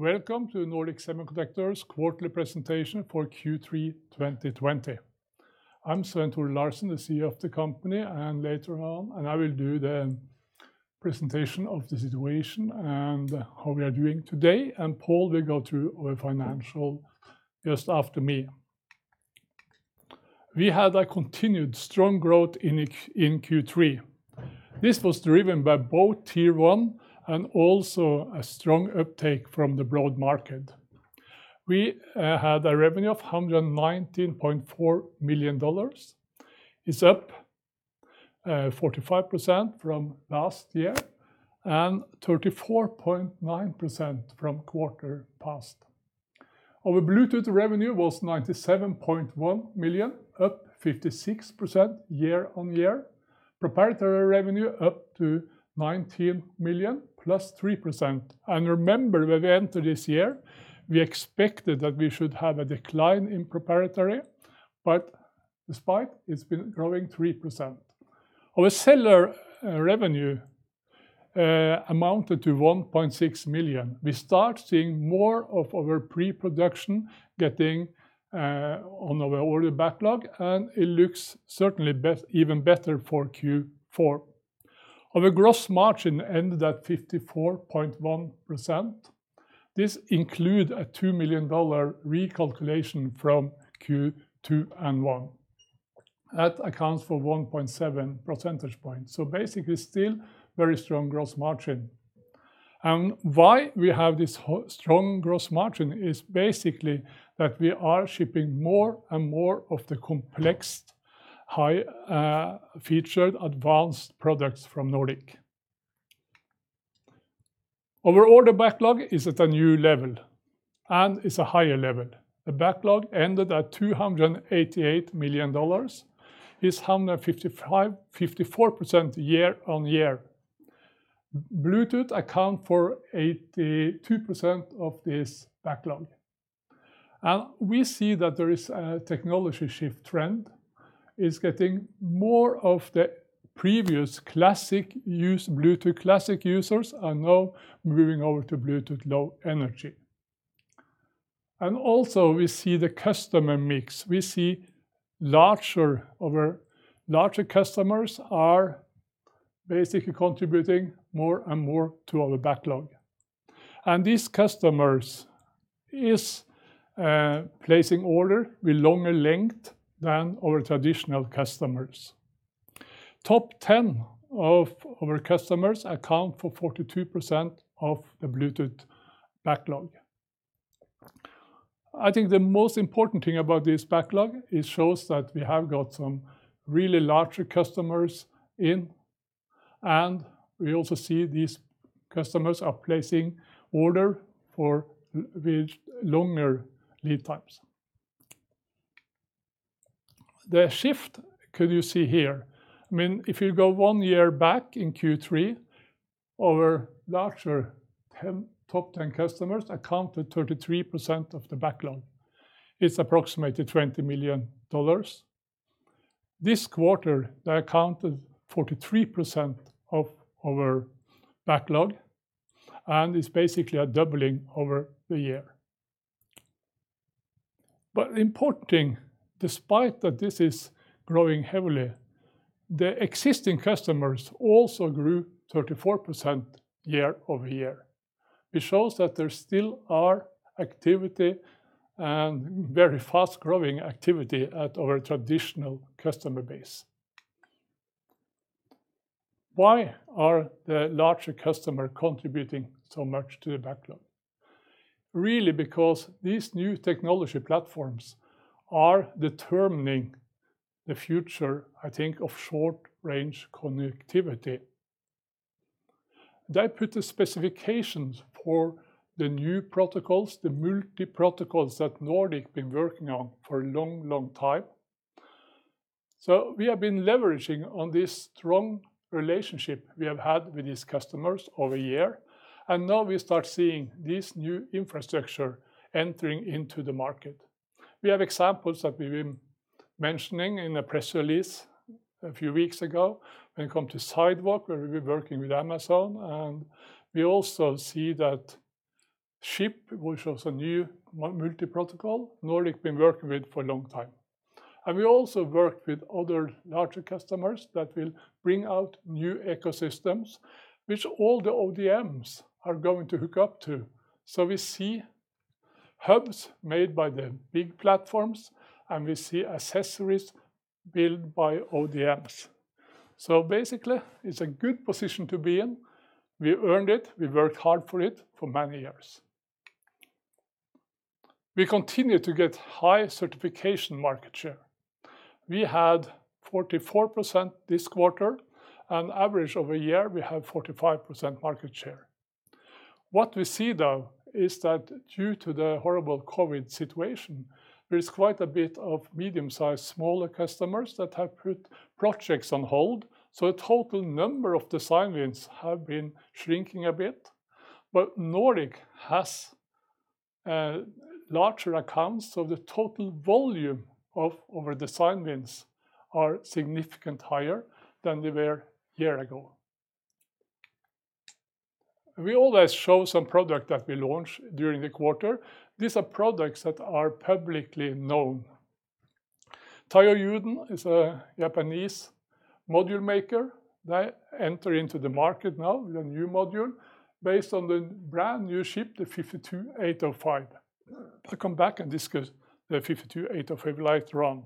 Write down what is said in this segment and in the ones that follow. Welcome to Nordic Semiconductor's quarterly presentation for Q3 2020. I'm Svenn-Tore Larsen, the CEO of the company, and later on I will do the presentation of the situation and how we are doing today, and Pal will go through our financial just after me. We had a continued strong growth in Q3. This was driven by both Tier One and also a strong uptake from the broad market. We had a revenue of $119.4 million. It's up 45% from last year and 34.9% from quarter past. Our Bluetooth revenue was $97.1 million, up 56% year-on-year. Proprietary revenue up to $19 million, plus 3%. Remember when we entered this year, we expected that we should have a decline in proprietary, but despite, it's been growing 3%. Our cellular revenue amounted to $1.6 million. We start seeing more of our pre-production getting on our order backlog, and it looks certainly even better for Q4. Our gross margin ended at 54.1%. This includes a $2 million recalculation from Q2 and Q1. That accounts for 1.7 percentage points. Basically still very strong gross margin. Why we have this strong gross margin is basically that we are shipping more and more of the complex high featured advanced products from Nordic. Our order backlog is at a new level and it's a higher level. The backlog ended at $288 million. It's 154% year-on-year. Bluetooth account for 82% of this backlog. We see that there is a technology shift trend. It's getting more of the previous Bluetooth Classic users are now moving over to Bluetooth Low Energy. Also we see the customer mix. We see our larger customers are basically contributing more and more to our backlog. These customers is placing order with longer length than our traditional customers. Top 10 of our customers account for 42% of the Bluetooth backlog. I think the most important thing about this backlog, it shows that we have got some really larger customers in, and we also see these customers are placing order for with longer lead times. The shift could you see here, if you go one year back in Q3, our larger top 10 customers accounted 33% of the backlog. It's approximately $20 million. This quarter, they accounted 43% of our backlog and it's basically a doubling over the year. Important thing, despite that this is growing heavily, the existing customers also grew 34% year-over-year. It shows that there still are activity and very fast-growing activity at our traditional customer base. Why are the larger customer contributing so much to the backlog? Because these new technology platforms are determining the future, I think, of short-range connectivity. They put the specifications for the new protocols, the multi-protocols that Nordic been working on for a long, long time. We have been leveraging on this strong relationship we have had with these customers over a year, and now we start seeing this new infrastructure entering into the market. We have examples that we've been mentioning in a press release a few weeks ago when it come to Sidewalk, where we've been working with Amazon, and we also see that CHIP, which was a new multi-protocol Nordic been working with for a long time. We also work with other larger customers that will bring out new ecosystems, which all the ODMs are going to hook up to. We see hubs made by the big platforms, and we see accessories built by ODMs. Basically, it's a good position to be in. We earned it. We worked hard for it for many years. We continue to get high certification market share. We had 44% this quarter, and average over year, we have 45% market share. What we see, though, is that due to the horrible COVID situation, there is quite a bit of medium-sized smaller customers that have put projects on hold. The total number of design-wins have been shrinking a bit. Larger accounts of the total volume of our design-wins are significantly higher than they were a year ago. We always show some product that we launch during the quarter. These are products that are publicly known. TAIYO YUDEN is a Japanese module maker. They enter into the market now with a new module based on the brand new chip, the nRF52805. I'll come back and discuss the nRF52805 later on.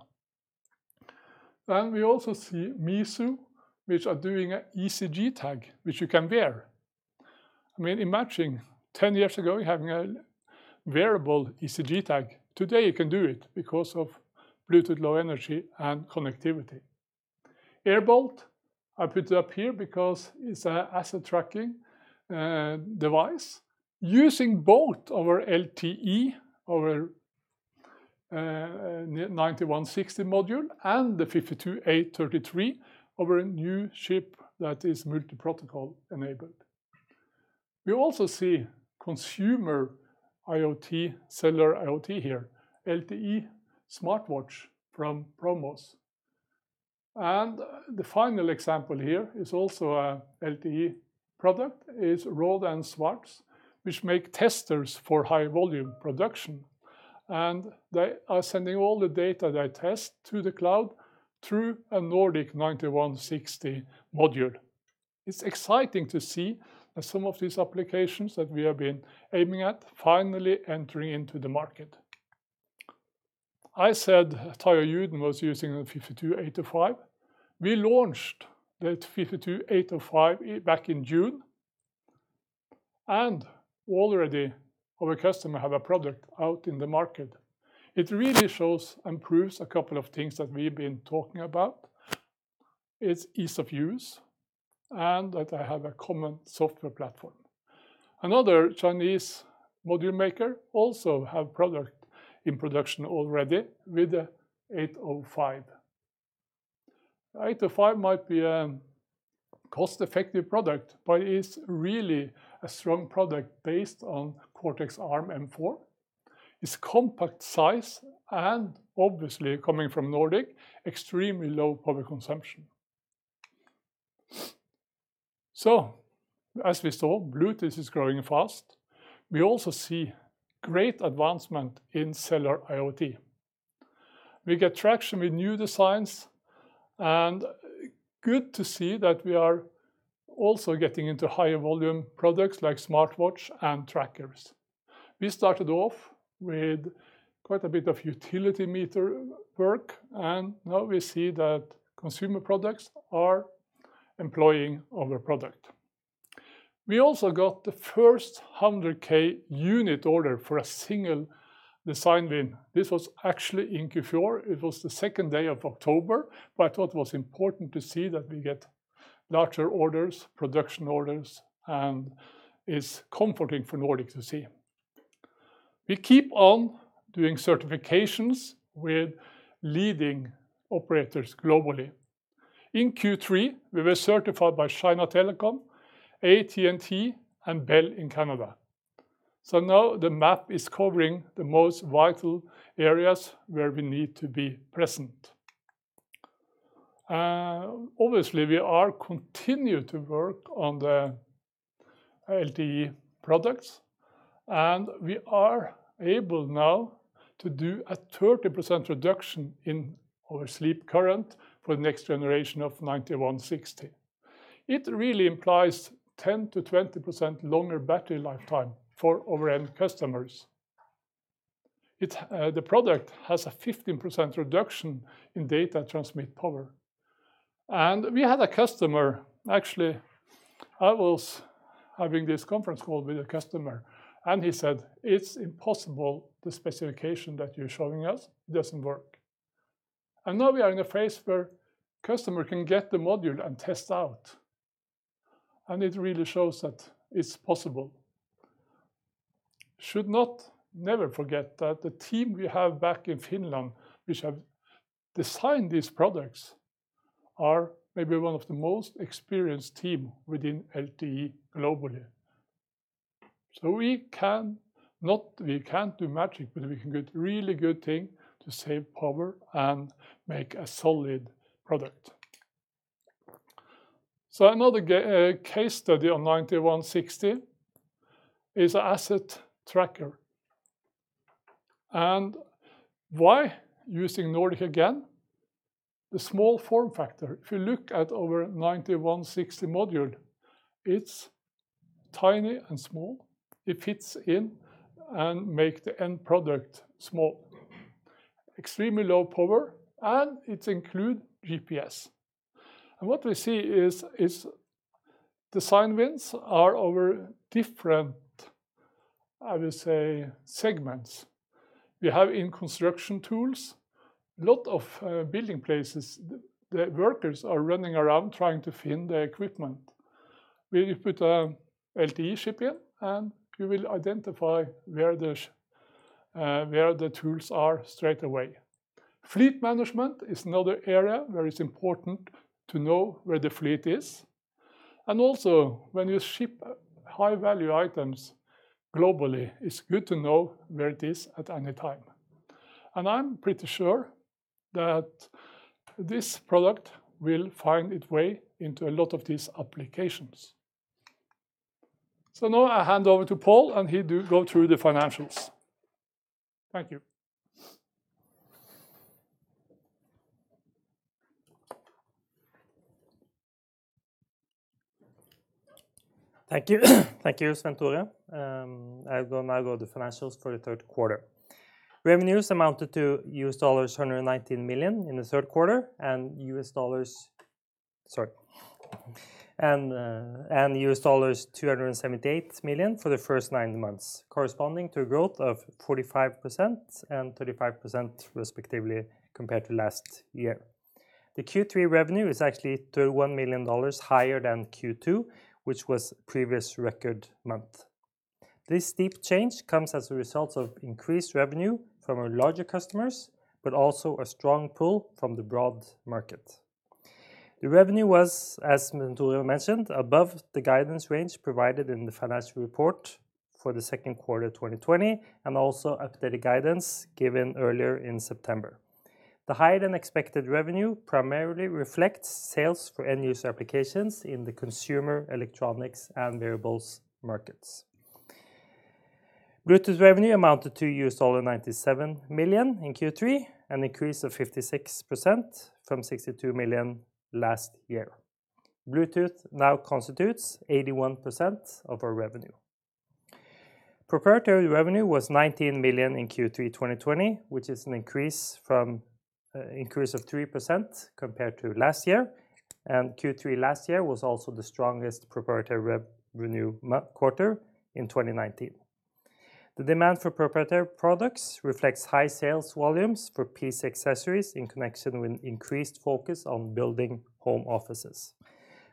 We also see Meizu, which are doing a ECG tag, which you can wear. Imagine 10 years ago, having a wearable ECG tag. Today you can do it because of Bluetooth Low Energy and connectivity. AirBolt, I put it up here because it's a asset tracking device using both our LTE, our nRF9160 module, and the nRF52833, our new chip that is multi-protocol enabled. We also see consumer IoT, cellular IoT here, LTE smartwatch from ProMOS. The final example here is also a LTE product. It's Rohde & Schwarz, which make testers for high volume production. They are sending all the data they test to the cloud through a Nordic nRF9160 module. It's exciting to see that some of these applications that we have been aiming at finally entering into the market. I said TAIYO YUDEN was using the nRF52805. We launched that nRF52805 back in June. Already our customer have a product out in the market. It really shows and proves a couple of things that we've been talking about. Its ease of use, and that they have a common software platform. Another Chinese module maker also have product in production already with the nRF52805. nRF52805 might be a cost-effective product, but it's really a strong product based on Arm Cortex-M4. It's compact size and obviously coming from Nordic Semiconductor, extremely low power consumption. As we saw, Bluetooth is growing fast. We also see great advancement in cellular IoT. We get traction with new designs and good to see that we are also getting into higher volume products like smartwatch and trackers. We started off with quite a bit of utility meter work, and now we see that consumer products are employing our product. We also got the first 100,000 unit order for a single design win. This was actually in Q4. It was the second day of October, but I thought it was important to see that we get larger orders, production orders, and is comforting for Nordic to see. We keep on doing certifications with leading operators globally. In Q3, we were certified by China Telecom, AT&T, and Bell in Canada. Now the map is covering the most vital areas where we need to be present. Obviously we are continue to work on the LTE products, and we are able now to do a 30% reduction in our sleep current for the next generation of nRF9160. It really implies 10%-20% longer battery lifetime for our end customers. The product has a 15% reduction in data transmit power. We had a customer, actually, I was having this conference call with a customer, and he said, "It's impossible, the specification that you're showing us. It doesn't work." Now we are in a phase where customer can get the module and test out. It really shows that it's possible. Should not never forget that the team we have back in Finland, which have designed these products, are maybe one of the most experienced team within LTE globally. We can't do magic, but we can get really good thing to save power and make a solid product. Another case study on 9160 is asset tracker. Why using Nordic again? The small form factor. If you look at our 9160 module, it's tiny and small. It fits in and make the end product small. Extremely low power, and it include GPS. What we see is design wins are our different, I will say, segments. We have in construction tools, lot of building places. The workers are running around trying to find their equipment. We put a LTE chip in, and you will identify where the tools are straight away. Fleet management is another area where it's important to know where the fleet is. Also when you ship high-value items globally, it's good to know where it is at any time. I'm pretty sure that this product will find its way into a lot of these applications. Now I hand over to Pal and he do go through the financials. Thank you. Thank you. Thank you, Svenn-Tore. I will now go to financials for the third quarter. Revenues amounted to $119 million in the third quarter and $278 million for the first nine months, corresponding to a growth of 45% and 35% respectively compared to last year. The Q3 revenue is actually $31 million higher than Q2, which was previous record month. This steep change comes as a result of increased revenue from our larger customers, but also a strong pull from the broad market. The revenue was, as Svenn-Tore mentioned, above the guidance range provided in the financial report for the second quarter 2020 and also updated guidance given earlier in September. The higher-than-expected revenue primarily reflects sales for end-use applications in the consumer electronics and wearables markets. Bluetooth revenue amounted to $97 million in Q3, an increase of 56% from $62 million last year. Bluetooth now constitutes 81% of our revenue. Proprietary revenue was $19 million in Q3 2020, which is an increase of 3% compared to last year, and Q3 last year was also the strongest proprietary revenue quarter in 2019. The demand for proprietary products reflects high sales volumes for PC accessories in connection with increased focus on building home offices.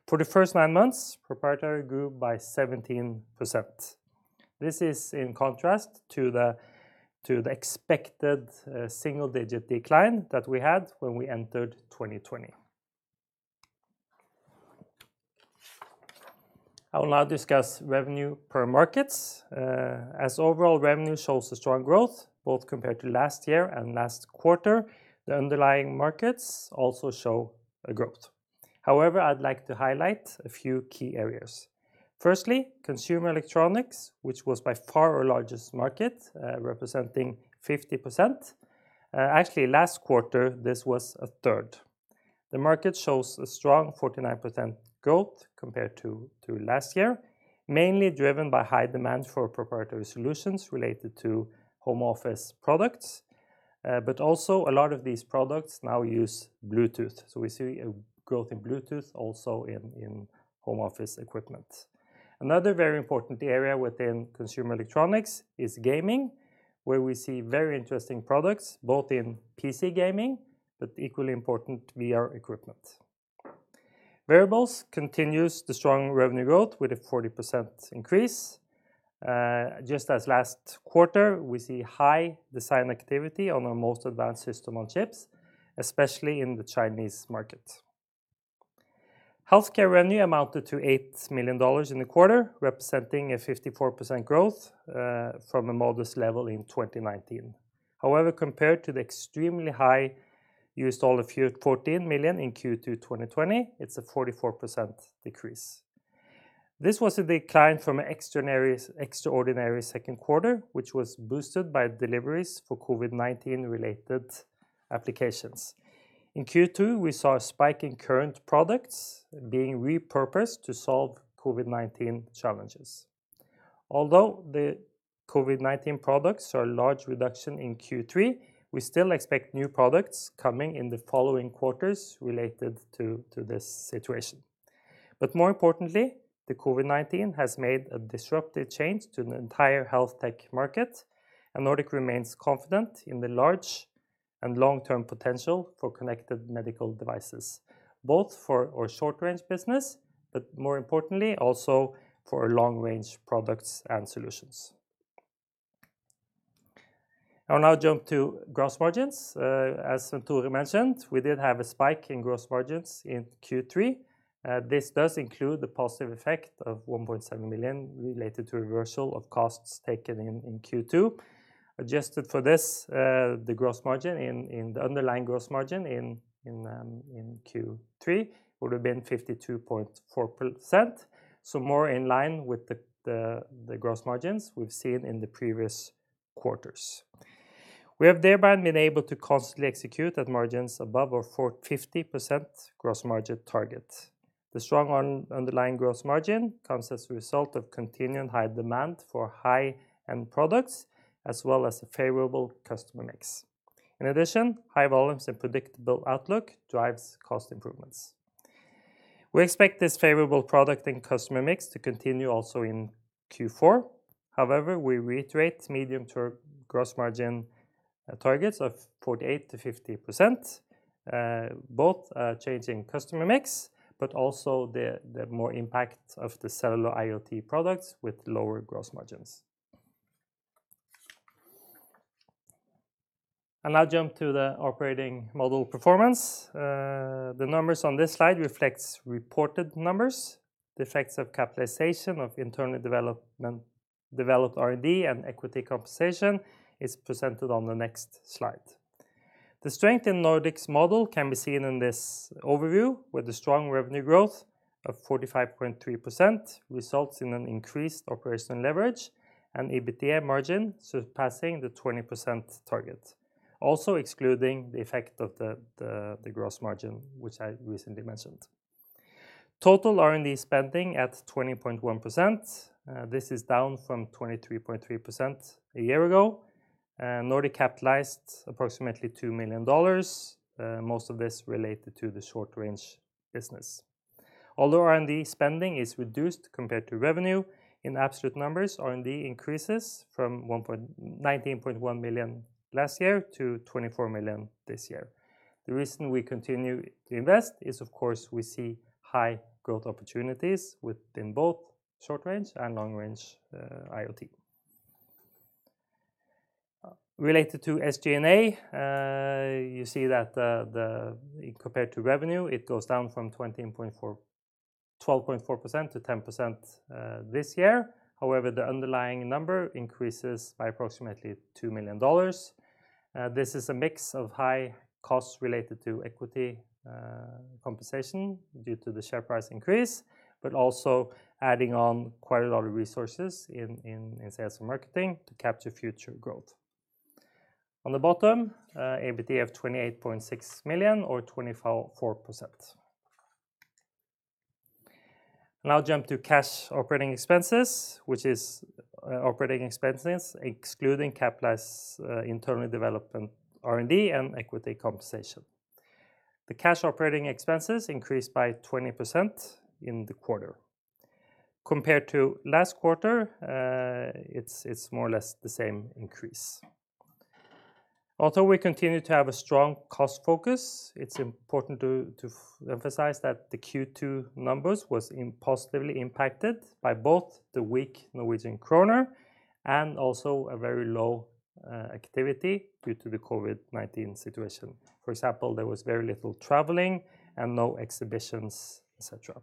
For the first nine months, proprietary grew by 17%. This is in contrast to the expected single-digit decline that we had when we entered 2020. I will now discuss revenue per markets. As overall revenue shows a strong growth, both compared to last year and last quarter, the underlying markets also show a growth. However, I'd like to highlight a few key areas. Firstly, consumer electronics, which was by far our largest market, representing 50%. Actually, last quarter, this was a third. The market shows a strong 49% growth compared to last year, mainly driven by high demand for proprietary solutions related to home office products. Also a lot of these products now use Bluetooth. We see a growth in Bluetooth also in home office equipment. Another very important area within consumer electronics is gaming, where we see very interesting products both in PC gaming, but equally important, VR equipment. Wearables continues the strong revenue growth with a 40% increase. Just as last quarter, we see high design activity on our most advanced system-on-chips, especially in the Chinese market. Healthcare revenue amounted to $8 million in the quarter, representing a 54% growth from a modest level in 2019. However, compared to the extremely high $14 million in Q2 2020, it's a 44% decrease. This was a decline from extraordinary second quarter, which was boosted by deliveries for COVID-19 related applications. In Q2, we saw a spike in current products being repurposed to solve COVID-19 challenges. Although the COVID-19 products saw a large reduction in Q3, we still expect new products coming in the following quarters related to this situation. More importantly, the COVID-19 has made a disruptive change to the entire health tech market, and Nordic remains confident in the large and long-term potential for connected medical devices. Both for our short-range business, but more importantly, also for our long-range products and solutions. I will now jump to gross margins. As Svenn-Tore mentioned, we did have a spike in gross margins in Q3. This does include the positive effect of $1.7 million related to reversal of costs taken in Q2. Adjusted for this, the underlying gross margin in Q3 would have been 52.4%, so more in line with the gross margins we've seen in the previous quarters. We have thereby been able to constantly execute at margins above our 50% gross margin target. The strong underlying gross margin comes as a result of continuing high demand for high-end products, as well as a favorable customer mix. In addition, high volumes and predictable outlook drives cost improvements. We expect this favorable product and customer mix to continue also in Q4. We reiterate medium-term gross margin targets of 48%-50%, both change in customer mix, but also the more impact of the cellular IoT products with lower gross margins. I'll now jump to the operating model performance. The numbers on this slide reflects reported numbers. The effects of capitalization of internal developed R&D and equity compensation is presented on the next slide. The strength in Nordic's model can be seen in this overview, where the strong revenue growth of 45.3% results in an increased operational leverage and EBITDA margin surpassing the 20% target. Also excluding the effect of the gross margin, which I recently mentioned. Total R&D spending at 20.1%. This is down from 23.3% a year ago. Nordic capitalized approximately $2 million. Most of this related to the short-range business. Although R&D spending is reduced compared to revenue, in absolute numbers, R&D increases from $19.1 million last year to $24 million this year. The reason we continue to invest is, of course, we see high growth opportunities within both short-range and long-range IoT. Related to SG&A, you see that compared to revenue, it goes down from 12.4% to 10% this year. However, the underlying number increases by approximately $2 million. This is a mix of high costs related to equity compensation due to the share price increase, but also adding on quite a lot of resources in sales and marketing to capture future growth. On the bottom, EBITDA of $28.6 million or 24%. I'll now jump to cash operating expenses, which is operating expenses excluding capitalized internally development R&D and equity compensation. The cash operating expenses increased by 20% in the quarter. Compared to last quarter, it's more or less the same increase. Although we continue to have a strong cost focus, it's important to emphasize that the Q2 numbers was positively impacted by both the weak Norwegian kroner and also a very low activity due to the COVID-19 situation. For example, there was very little traveling and no exhibitions, et cetera.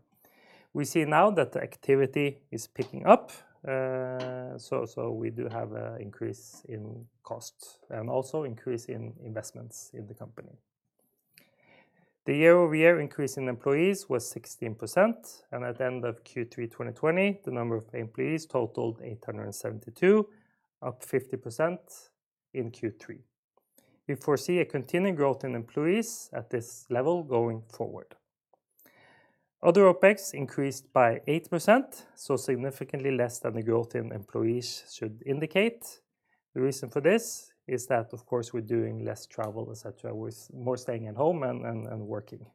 We see now that the activity is picking up, so we do have an increase in cost and also increase in investments in the company. The year-over-year increase in employees was 16%, and at the end of Q3 2020, the number of employees totaled 872, up 50% in Q3. We foresee a continuing growth in employees at this level going forward. Other OPEX increased by 8%, so significantly less than the growth in employees should indicate. The reason for this is that, of course, we're doing less travel, et cetera, with more staying at home and working.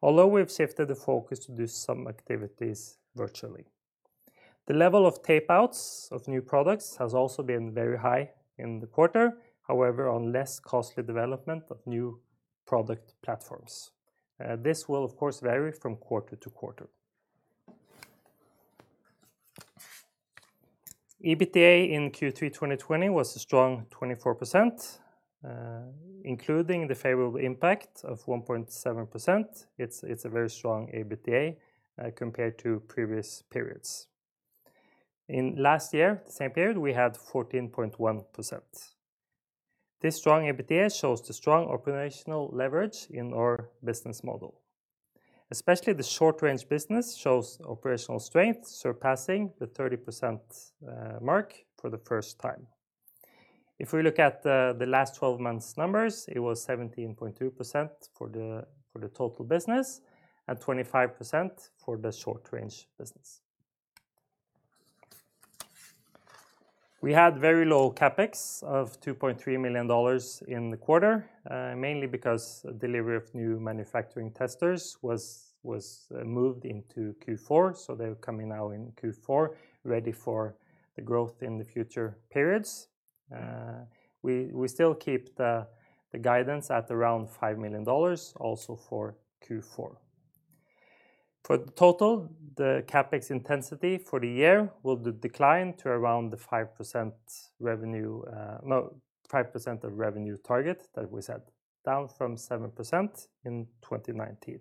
Although, we've shifted the focus to do some activities virtually. The level of tape-outs of new products has also been very high in the quarter, however, on less costly development of new product platforms. This will, of course, vary from quarter to quarter. EBITDA in Q3 2020 was a strong 24%, including the favorable impact of 1.7%. It's a very strong EBITDA compared to previous periods. In last year, the same period, we had 14.1%. This strong EBITDA shows the strong operational leverage in our business model. Especially the short-range business shows operational strength surpassing the 30% mark for the first time. If we look at the last 12 months numbers, it was 17.2% for the total business and 25% for the short-range business. We had very low CapEx of $2.3 million in the quarter, mainly because delivery of new manufacturing testers was moved into Q4, so they're coming now in Q4, ready for the growth in the future periods. We still keep the guidance at around $5 million also for Q4. For the total, the CapEx intensity for the year will decline to around the 5% of revenue target that we set, down from 7% in 2019.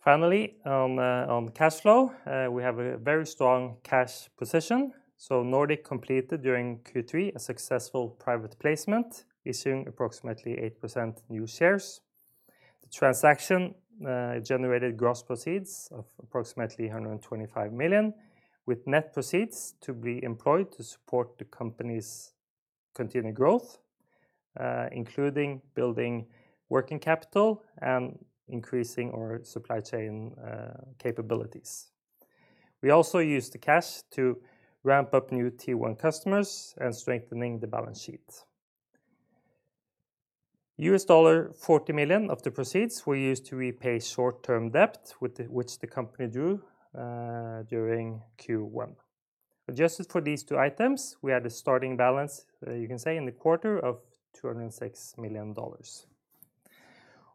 Finally, on cash flow, we have a very strong cash position. Nordic completed during Q3 a successful private placement, issuing approximately 8% new shares. The transaction generated gross proceeds of approximately $125 million, with net proceeds to be employed to support the company's continued growth, including building working capital and increasing our supply chain capabilities. We also used the cash to ramp up new Tier One customers and strengthening the balance sheet. $40 million of the proceeds were used to repay short-term debt which the company drew during Q1. Adjusted for these two items, we had a starting balance, you can say, in the quarter of $206 million.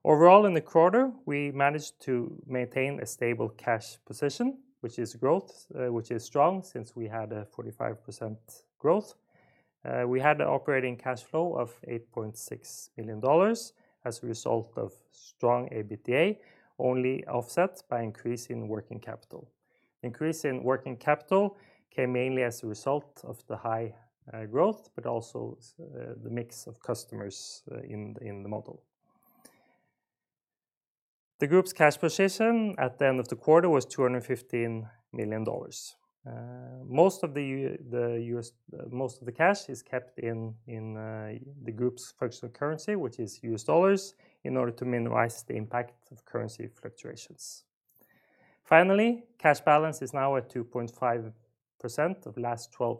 Overall, in the quarter, we managed to maintain a stable cash position, which is strong since we had a 45% growth. We had an operating cash flow of $8.6 million as a result of strong EBITDA, only offset by increase in working capital. Increase in working capital came mainly as a result of the high growth, but also the mix of customers in the model. The group's cash position at the end of the quarter was $215 million. Most of the cash is kept in the group's functional currency, which is US dollars, in order to minimize the impact of currency fluctuations. Finally, cash balance is now at 2.5% of last 12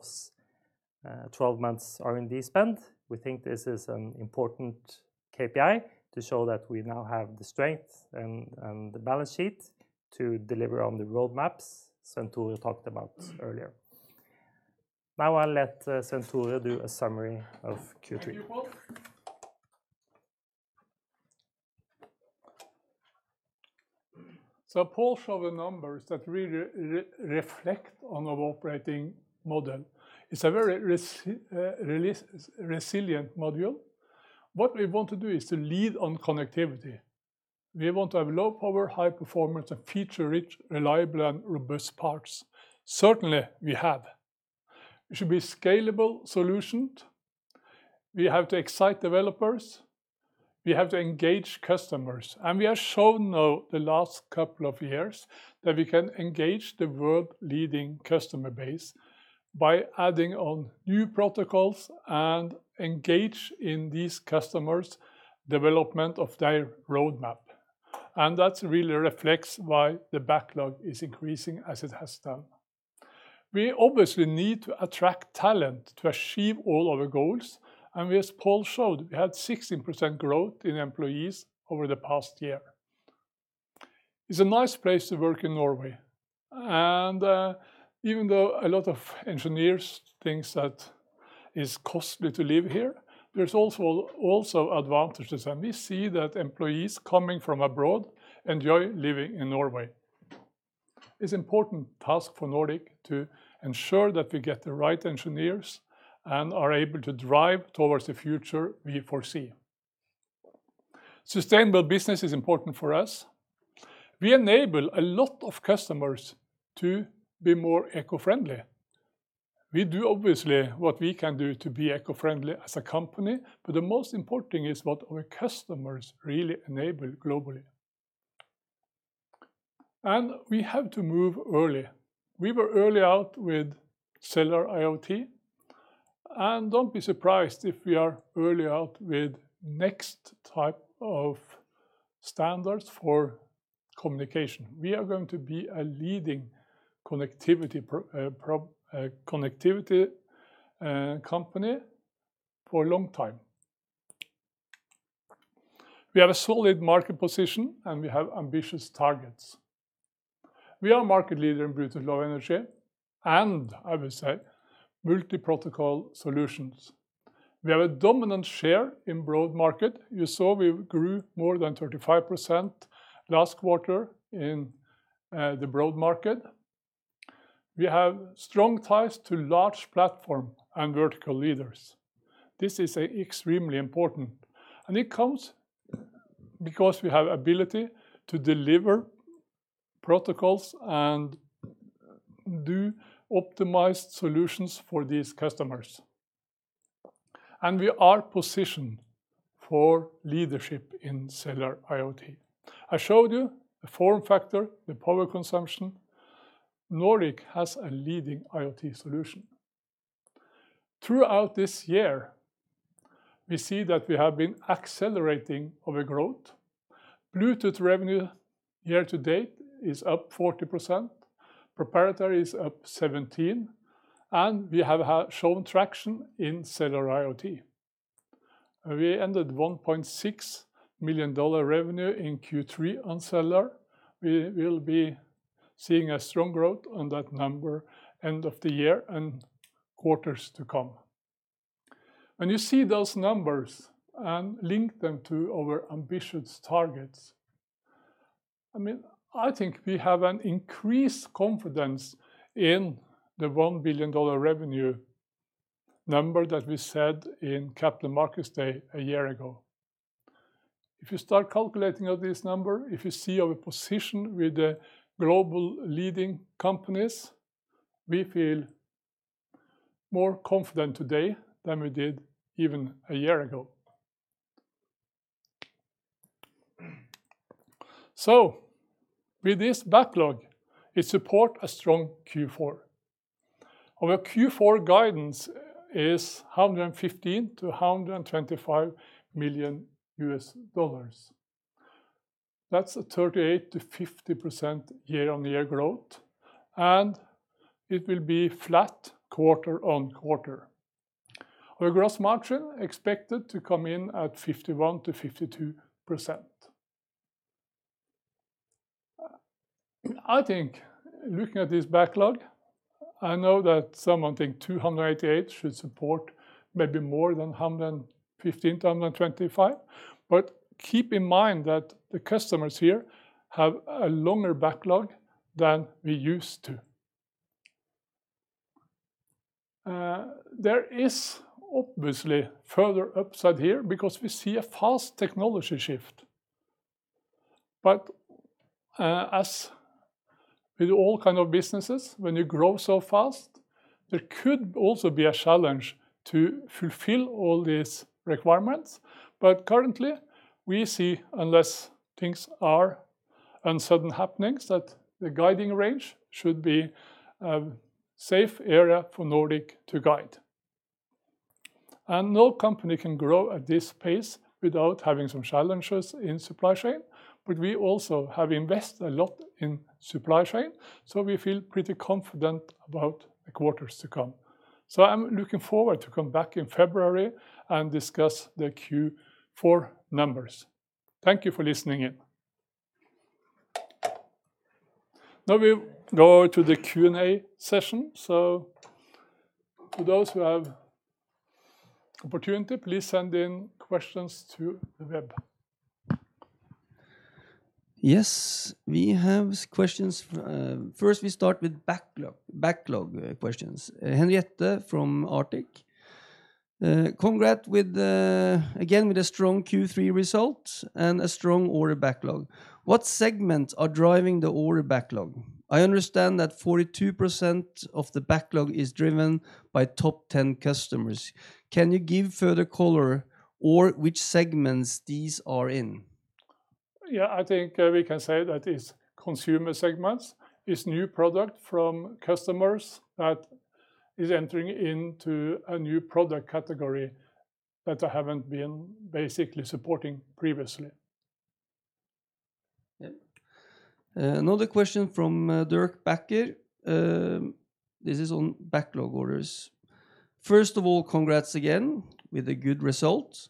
months R&D spend. We think this is an important KPI to show that we now have the strength and the balance sheet to deliver on the roadmaps Svenn-Tore talked about earlier. Now I'll let Svenn-Tore do a summary of Q3. Thank you, Pal. Pal showed the numbers that really reflect on our operating model. It's a very resilient model. What we want to do is to lead on connectivity. We want to have low power, high performance, and feature-rich, reliable, and robust parts. Certainly, we have. It should be scalable solutions. We have to excite developers. We have to engage customers. We have shown now the last couple of years that we can engage the world-leading customer base by adding on new protocols and engage in these customers' development of their roadmap. That really reflects why the backlog is increasing as it has done. We obviously need to attract talent to achieve all our goals. As Pal showed, we had 16% growth in employees over the past year. It's a nice place to work in Norway. Even though a lot of engineers think that it's costly to live here, there is also advantages, and we see that employees coming from abroad enjoy living in Norway. It's important task for Nordic to ensure that we get the right engineers and are able to drive towards the future we foresee. Sustainable business is important for us. We enable a lot of customers to be more eco-friendly. We do obviously what we can do to be eco-friendly as a company, but the most important is what our customers really enable globally. We have to move early. We were early out with cellular IoT, and don't be surprised if we are early out with next type of standards for communication. We are going to be a leading connectivity company for a long time. We have a solid market position and we have ambitious targets. We are a market leader in Bluetooth Low Energy, and I will say multi-protocol solutions. We have a dominant share in broad market. You saw we grew more than 35% last quarter in the broad market. We have strong ties to large platform and vertical leaders. This is extremely important, and it comes because we have ability to deliver protocols and do optimized solutions for these customers. We are positioned for leadership in cellular IoT. I showed you the form factor, the power consumption. Nordic has a leading IoT solution. Throughout this year, we see that we have been accelerating our growth. Bluetooth revenue year to date is up 40%, proprietary is up 17%, and we have shown traction in cellular IoT. We ended $1.6 million revenue in Q3 on cellular. We will be seeing a strong growth on that number end of the year and quarters to come. When you see those numbers and link them to our ambitious targets, I think we have an increased confidence in the $1 billion revenue number that we said in Capital Markets Day a year ago. If you start calculating out this number, if you see our position with the global leading companies, we feel more confident today than we did even a year ago. With this backlog, it support a strong Q4. Our Q4 guidance is $115 million-$125 million. That's a 38%-50% year-on-year growth, and it will be flat quarter-on-quarter. Our gross margin expected to come in at 51%-52%. I think looking at this backlog, I know that someone think $288 million should support maybe more than $115 million, $125, but keep in mind that the customers here have a longer backlog than we used to. There is obviously further upside here because we see a fast technology shift. As with all kind of businesses, when you grow so fast, there could also be a challenge to fulfill all these requirements. Currently we see, unless things are uncertain happenings, that the guiding range should be a safe area for Nordic to guide. No company can grow at this pace without having some challenges in supply chain, but we also have invested a lot in supply chain, so we feel pretty confident about the quarters to come. I'm looking forward to come back in February and discuss the Q4 numbers. Thank you for listening in. Now we go to the Q&A session. To those who have opportunity, please send in questions to the web. Yes, we have questions. First, we start with backlog questions. Henriette from Arctic. "Congrats again with a strong Q3 result and a strong order backlog. What segments are driving the order backlog? I understand that 42% of the backlog is driven by top 10 customers. Can you give further color or which segments these are in? Yeah, I think we can say that it's consumer segments. It's new product from customers that is entering into a new product category that I haven't been basically supporting previously. Yep. Another question from Dirk Bakker. This is on backlog orders. First of all, congrats again with a good result.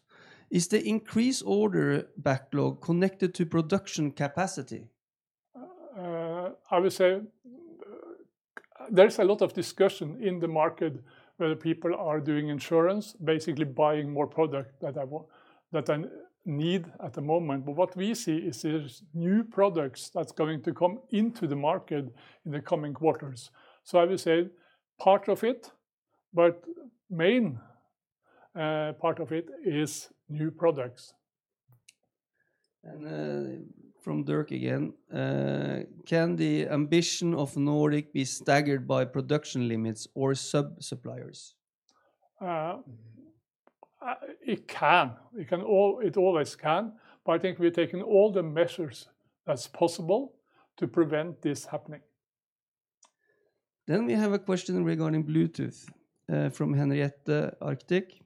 Is the increased order backlog connected to production capacity? I would say there's a lot of discussion in the market whether people are doing insurance, basically buying more product that I need at the moment. What we see is there's new products that's going to come into the market in the coming quarters. I would say part of it, but main part of it is new products. From Dirk again, "Can the ambition of Nordic be staggered by production limits or sub-suppliers? It can. It always can. I think we've taken all the measures that's possible to prevent this happening. We have a question regarding Bluetooth from Henriette, Arctic.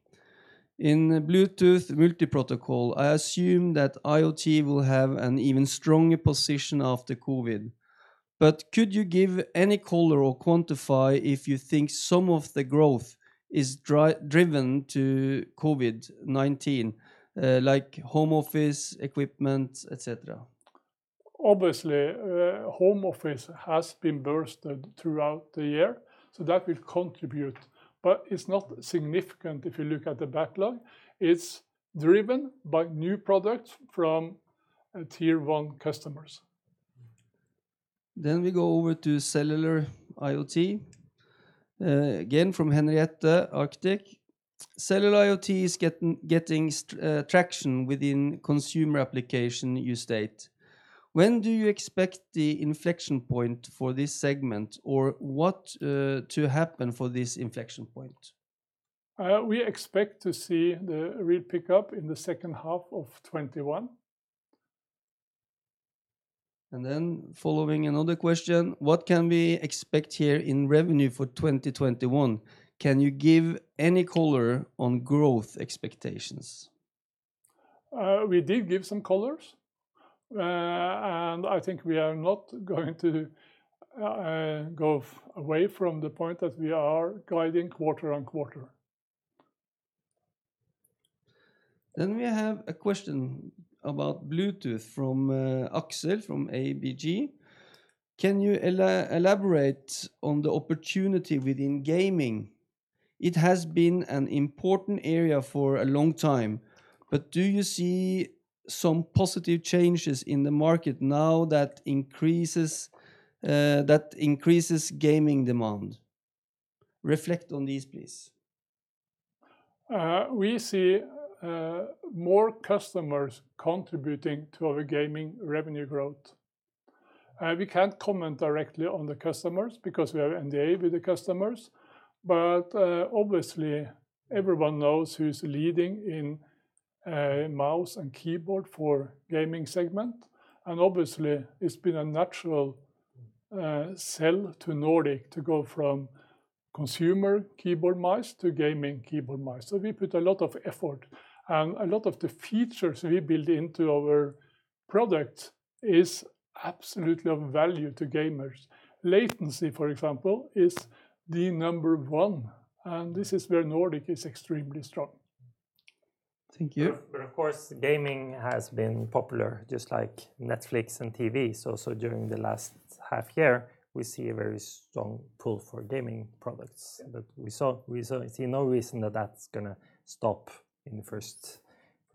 In Bluetooth multi-protocol, I assume that IoT will have an even stronger position after COVID. Could you give any color or quantify if you think some of the growth is driven to COVID-19, like home office equipment, et cetera? Obviously, home office has been boosted throughout the year, so that will contribute, but it's not significant if you look at the backlog. It's driven by new products from Tier One customers. We go over to cellular IoT, again from Henriette, Arctic. "Cellular IoT is getting traction within consumer application, you state. When do you expect the inflection point for this segment, or what to happen for this inflection point? We expect to see the real pickup in the second half of 2021. Following another question, "What can we expect here in revenue for 2021? Can you give any color on growth expectations? We did give some colors, and I think we are not going to go away from the point that we are guiding quarter-on-quarter. We have a question about Bluetooth from Axel, from ABG. Can you elaborate on the opportunity within gaming? It has been an important area for a long time, but do you see some positive changes in the market now that increases gaming demand? Reflect on this, please. We see more customers contributing to our gaming revenue growth. We can't comment directly on the customers because we are NDA with the customers. Obviously, everyone knows who's leading in mouse and keyboard for gaming segment. Obviously, it's been a natural sell to Nordic to go from consumer keyboard mice to gaming keyboard mice. We put a lot of effort, and a lot of the features we build into our product is absolutely of value to gamers. Latency, for example, is the number one, and this is where Nordic is extremely strong. Thank you. Of course, gaming has been popular, just like Netflix and TV. During the last half year, we see a very strong pull for gaming products. We see no reason that's going to stop any time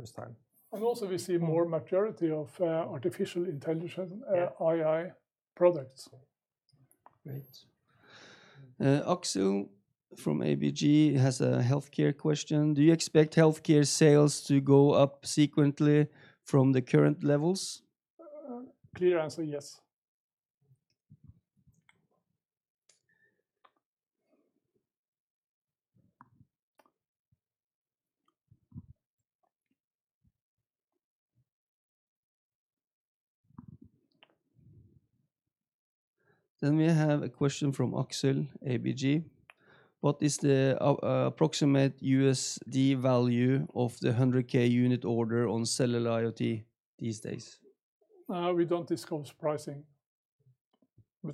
soon. Also we see more maturity of Artificial Intelligence, AI products. Great. Axel from ABG has a healthcare question. Do you expect healthcare sales to go up sequentially from the current levels? Clear answer is yes. We have a question from Axel, ABG. What is the approximate USD value of the 100,000 unit order on cellular IoT these days? We don't disclose pricing.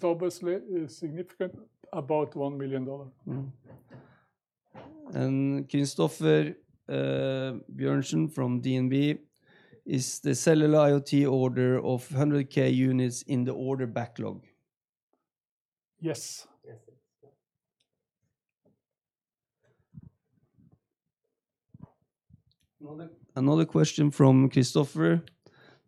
Obviously, it's significant. About $1 million. Christoffer Bjørnsen from DNB, is the cellular IoT order of 100,000 units in the order backlog? Yes. Yes. Another question from Christoffer.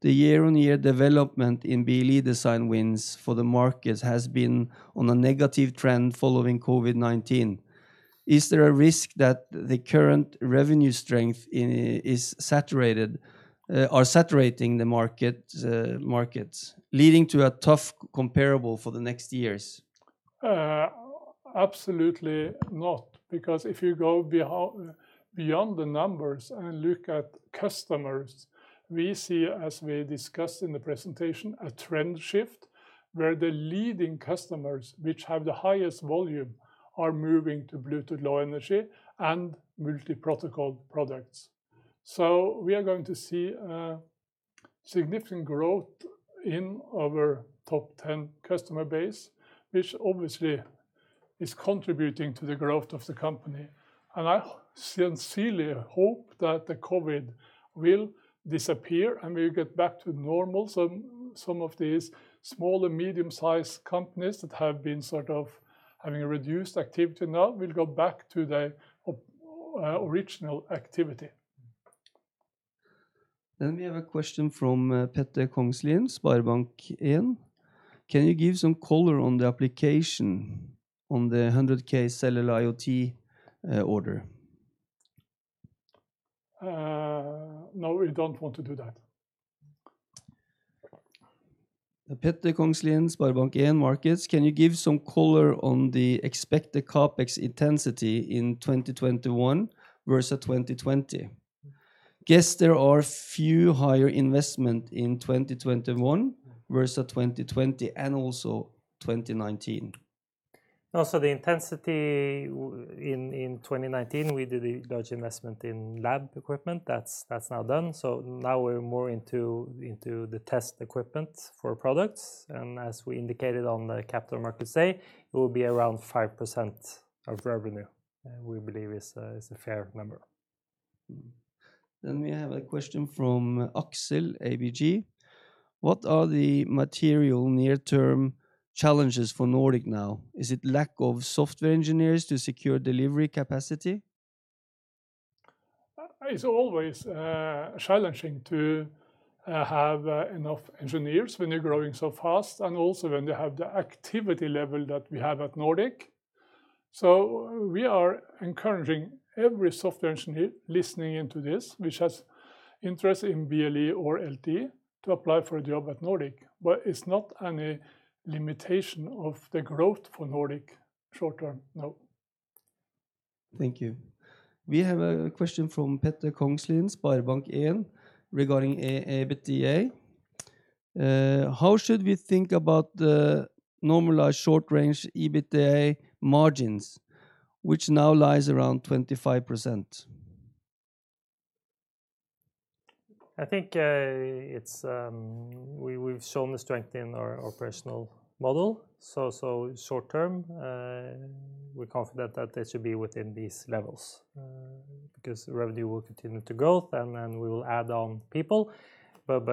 The year-on-year development in BLE design wins for the market has been on a negative trend following COVID-19. Is there a risk that the current revenue strength is saturating the markets, leading to a tough comparable for the next years? Absolutely not, because if you go beyond the numbers and look at customers, we see, as we discussed in the presentation, a trend shift where the leading customers, which have the highest volume, are moving to Bluetooth Low Energy and multi-protocol products. We are going to see a significant growth in our top 10 customer base, which obviously is contributing to the growth of the company. I sincerely hope that the COVID will disappear, and we'll get back to normal, so some of these small and medium-sized companies that have been having a reduced activity now will go back to their original activity. We have a question from Petter Kongslie, SpareBank 1 Markets. Can you give some color on the application on the 100,000 cellular IoT order? No, we don't want to do that. Petter Kongslie, SpareBank 1 Markets. Can you give some color on the expected CapEx intensity in 2021 versus 2020? Guess there are few higher investment in 2021 versus 2020 and also 2019. The intensity in 2019, we did a large investment in lab equipment. That's now done, so now we're more into the test equipment for products. As we indicated on the Capital Markets Day, it will be around 5% of revenue, we believe is a fair number. We have a question from Axel, ABG. What are the material near-term challenges for Nordic now? Is it lack of software engineers to secure delivery capacity? It's always challenging to have enough engineers when you're growing so fast and also when you have the activity level that we have at Nordic. We are encouraging every software engineer listening to this, which has interest in BLE or LTE, to apply for a job at Nordic. It's not any limitation of the growth for Nordic short term, no. Thank you. We have a question from Petter Kongslie, SpareBank 1, regarding EBITDA. How should we think about the normalized short-range EBITDA margins, which now lies around 25%? I think we've shown the strength in our operational model. Short term, we're confident that they should be within these levels, because revenue will continue to grow, and we will add on people.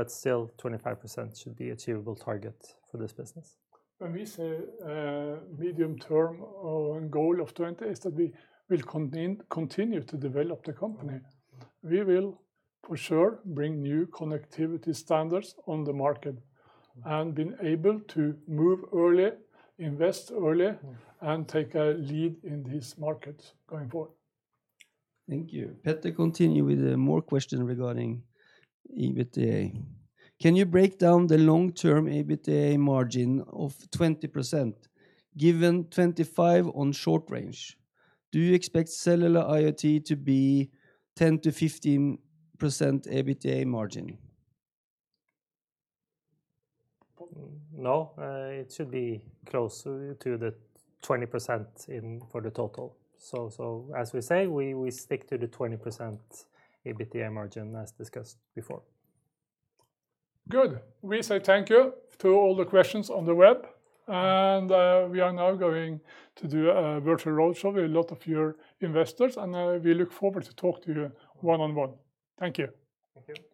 Still, 25% should be achievable target for this business. When we say medium term and goal of 20 is that we will continue to develop the company. We will, for sure, bring new connectivity standards on the market and being able to move early, invest early, and take a lead in these markets going forward. Thank you. Petter continue with more question regarding EBITDA. Can you break down the long-term EBITDA margin of 20%, given 25% on short range? Do you expect cellular IoT to be 10%-15% EBITDA margin? No, it should be closer to the 20% for the total. As we say, we stick to the 20% EBITDA margin as discussed before. Good. We say thank you for all the questions on the web, and we are now going to do a virtual roadshow with a lot of your investors, and we look forward to talk to you one-on-one. Thank you. Thank you.